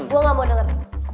gue gak mau denger